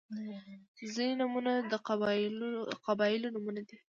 • ځینې نومونه د قبیلو نومونه دي.